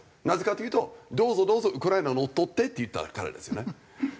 なぜかというとどうぞどうぞウクライナ乗っ取ってって言ったからですよね。